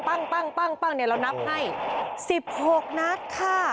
ตรงนี้เรานับให้๑๖นัดค่ะ